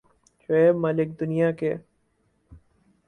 شعیب ملک دنیا کے